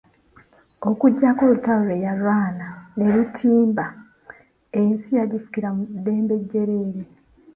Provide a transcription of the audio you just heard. Okuggyako olutalo lwe yalwana ne Lutimba, ensi yagifugira mu ddembe jjereere.